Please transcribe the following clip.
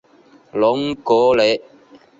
隆格雷。